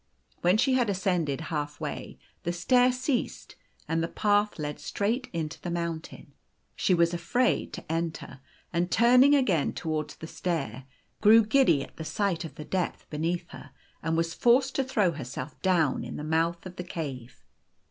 When she had ascended half way, the stair ceased, and the path led straight into the mountain. She was afraid to enter, and turning again towards the stair, grew giddy at sight of the depth beneath her, and was forced to throw herself down in the mouth of the cave.